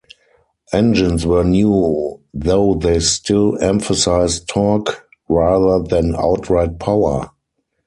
Engines were new, though they still emphasized torque rather than outright power.